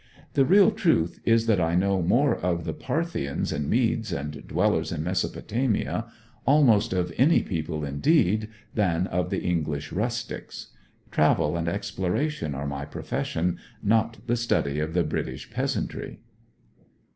The real truth is that I know more of the Parthians, and Medes, and dwellers in Mesopotamia almost of any people, indeed than of the English rustics. Travel and exploration are my profession, not the study of the British peasantry.'